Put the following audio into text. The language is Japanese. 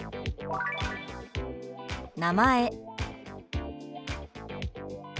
「名前」。